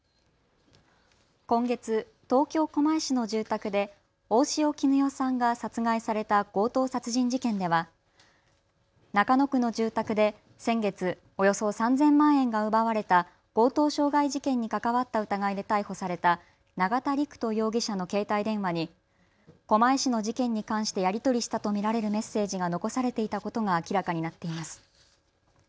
今月、東京狛江市の住宅で大塩衣與さんが殺害された強盗殺人事件では中野区の住宅で先月、およそ３０００万円が奪われた強盗傷害事件に関わった疑いで逮捕された永田陸人容疑者の携帯電話に狛江市の事件に関してやり取りしたと見られるメッセージが残されていたことが明らかになっています。